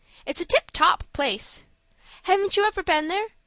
It's a tip top place. Haven't you ever been there?